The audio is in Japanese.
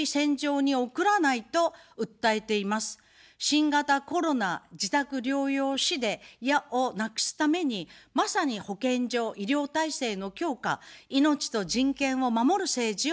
新型コロナ自宅療養死をなくすために、まさに保健所、医療体制の強化、命と人権を守る政治を目指します。